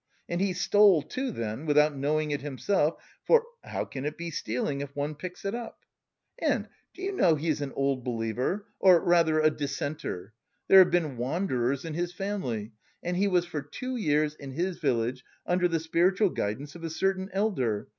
And he stole, too, then, without knowing it himself, for 'How can it be stealing, if one picks it up?' And do you know he is an Old Believer, or rather a dissenter? There have been Wanderers[*] in his family, and he was for two years in his village under the spiritual guidance of a certain elder.